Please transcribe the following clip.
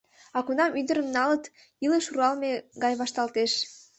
А кунам ӱдырым налыт, илыш руалме гай вашталтеш.